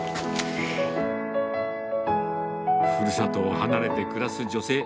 ふるさとを離れて暮らす女性。